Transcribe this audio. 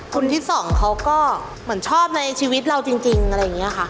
คนที่สองเขาก็เหมือนชอบในชีวิตเราจริงอะไรอย่างนี้ค่ะ